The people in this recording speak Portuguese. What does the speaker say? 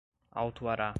autuará